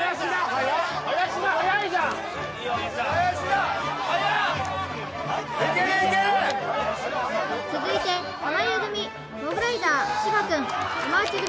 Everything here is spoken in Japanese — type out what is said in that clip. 速っ・林田速いじゃん・林田・速っ・いけるいける続いて濱家組モグライダー芝くん山内組